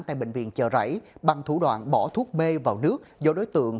tại bệnh viện chờ rảy bằng thủ đoạn bỏ thuốc b vào nước do đối tượng